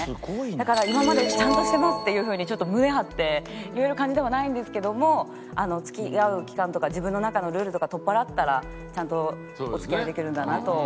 だから今までちゃんとしてますっていう風にちょっと胸張って言える感じではないんですけども付き合う期間とか自分の中のルールとか取っ払ったらちゃんとお付き合いできるんだなと。